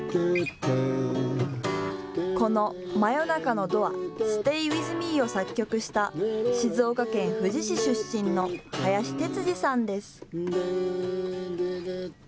この真夜中のドアＳｔａｙＷｉｔｈＭｅを作曲した静岡県富士市出身の林哲司さんです。